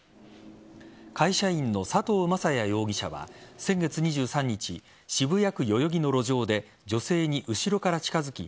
会社員の佐藤雅也容疑者は先月２３日渋谷区代々木の路上で女性に後ろから近づき